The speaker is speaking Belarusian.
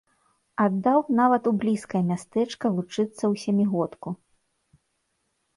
Аддаў нават у блізкае мястэчка вучыцца ў сямігодку.